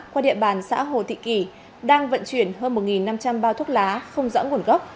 qua địa bàn xã hồ thị kỳ đang vận chuyển hơn một năm trăm linh bao thuốc lá không rõ nguồn gốc